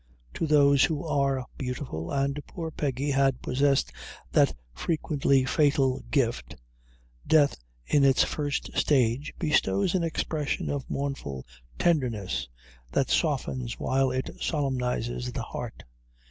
To those who are beautiful and poor Peggy had possessed that frequently fatal gift death in its first stage, bestows an expression of mournful tenderness that softens while it solemnizes the heart.